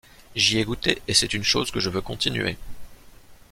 J'y ai goûté et c'est une chose que je veux continuer.